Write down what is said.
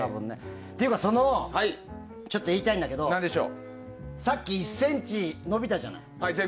というかちょっと言いたいんだけどさっき１ｃｍ伸びたじゃない。